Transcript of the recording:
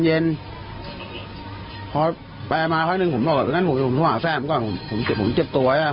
จากนั้นไปมาทั้งทั้งหนึ่งผมโทรหาแฟนก็นะผมเจ็บตัวอย่างนั้น